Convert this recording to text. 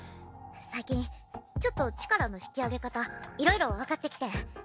最近ちょっと力の引き上げ方いろいろ分かってきてん。